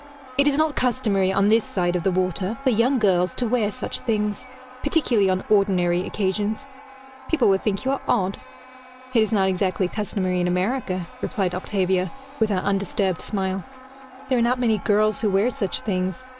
It is not customary, on this side of the water, for young girls to wear such things particularly on ordinary occasions. People will think you are odd." "It is not exactly customary in America," replied Octavia, with her undisturbed smile. "There are not many girls who have such things.